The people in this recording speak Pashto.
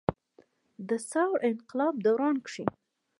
د ثور انقلاب دوران کښې